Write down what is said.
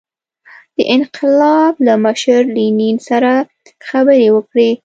د انقلاب له مشر لینین سره خبرې وکړي.